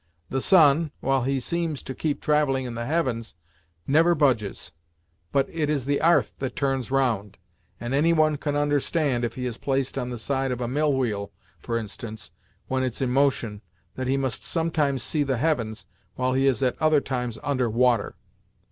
The sun, while he seems to keep traveling in the heavens, never budges, but it is the 'arth that turns round, and any one can understand, if he is placed on the side of a mill wheel, for instance, when it's in motion, that he must some times see the heavens, while he is at other times under water.